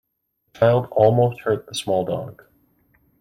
The child almost hurt the small dog.